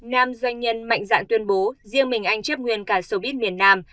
nam doanh nhân mạnh dạng tuyên bố riêng mình anh chép nguyên cả showbiz miền nam